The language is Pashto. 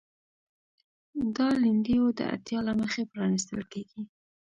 دا لیندیو د اړتیا له مخې پرانیستل کېږي.